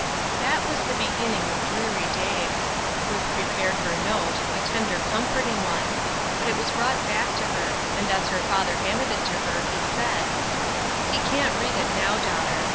That was the beginning of dreary days. Ruth prepared her note a tender, comforting one; but it was brought back to her; and as her father handed it to her he said: "He can't read it now, daughter.